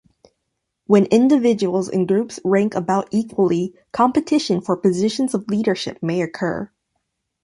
When individuals and groups rank about equally, competition for positions of leadership may occur.